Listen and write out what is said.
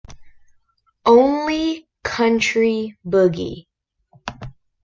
Only country boogie.